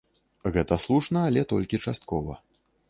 Гэта слушна, але толькі часткова.